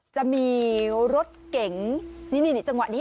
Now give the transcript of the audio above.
จะมีรถเก๋งนี่จังหวะนี้